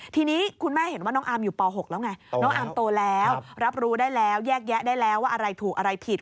ทีนี้คุณแม่เห็นว่าน้องอาร์มอยู่ป๖แล้วไงน้องอาร์มโตแล้วรับรู้ได้แล้วแยกแยะได้แล้วว่าอะไรถูกอะไรผิด